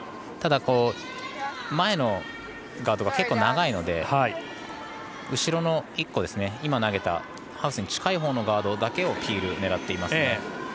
ただ、前のガードが結構長いので後ろの１個、今投げたハウスに近いほうのガードだけを狙っていますね。